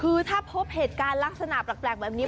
คือถ้าพบเหตุการณ์ลักษณะแปลกแบบนี้